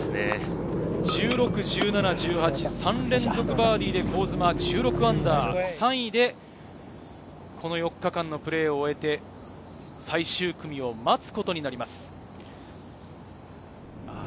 １６、１７、１８、３連続バーディーで香妻、−１６、３位でこの４日間のプレーを終えて最終組を待つことになります。